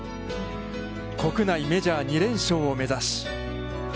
国内メジャー２連勝を目指し。